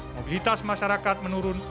mobilitas masyarakat menurun